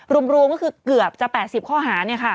รวมก็คือเกือบจะ๘๐ข้อหา